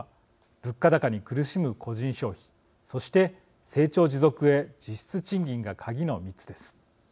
「物価高に苦しむ個人消費」そして「成長持続へ実質賃金がカギ」の３つです。